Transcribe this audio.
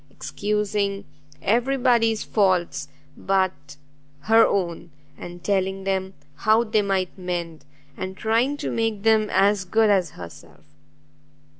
excusing every body's faults but her own, and telling them how they might mend, and trying to make them as good as herself!